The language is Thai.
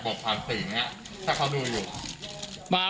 พ่อของสทเปี๊ยกบอกว่า